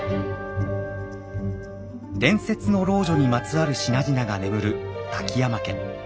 伝説の老女にまつわる品々が眠る瀧山家。